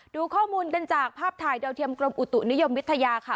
ดูข้อมูลกันจากภาพถ่ายดาวเทียมกรมอุตุนิยมวิทยาค่ะ